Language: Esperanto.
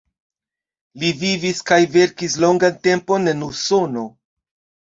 Li vivis kaj verkis longan tempon en Usono.